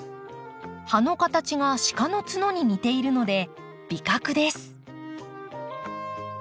葉の形が鹿の角に似ているので「麋角」です。